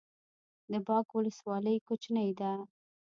د باک ولسوالۍ کوچنۍ ده